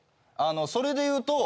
それで言うと。